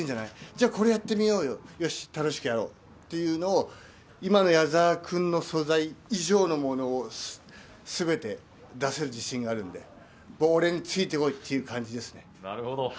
じゃあ、これやってみようよ、よし、楽しくやろうというものを今の矢澤君の素材以上のものを全て出せる自信があるので、俺についてこいっていう感じですね。